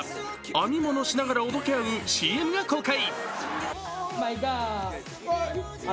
編み物しながら、おどけ合うＣＭが公開。